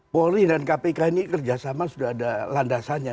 polri dan kpk ini kerjasama sudah ada landasannya